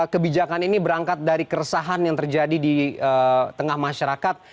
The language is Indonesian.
kebijakan ini berangkat dari keresahan yang terjadi di tengah masyarakat